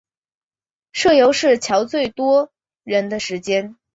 社游是乔最多人的时间